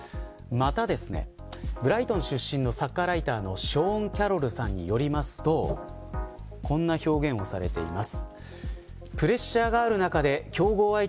また、ブライトン出身のサッカーライターのショーン・キャロルさんによるとこんな表現をされています。